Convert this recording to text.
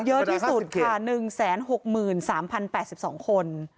เยอะที่สุดค่ะ๑๖๓๐๘๒คน